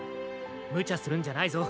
むちゃするんじゃないぞ。